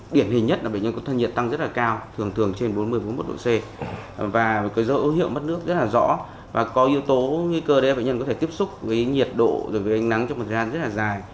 điển hình nhất là bệnh nhân có thân nhiệt tăng rất là cao thường thường trên bốn mươi bốn mươi một độ c và có dấu hiệu mất nước rất là rõ và có yếu tố nguy cơ để bệnh nhân có thể tiếp xúc với nhiệt độ với ánh nắng trong một thời gian rất là dài